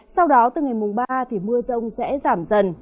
sau đó từ ngày ba mưa rông sẽ giảm dần